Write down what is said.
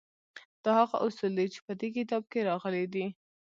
دا هغه اصول دي چې په دې کتاب کې راغلي دي